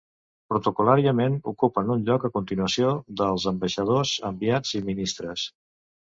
Protocol·làriament ocupen un lloc a continuació dels ambaixadors, enviats i ministres.